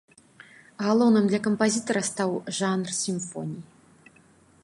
Галоўным для кампазітара стаў жанр сімфоній.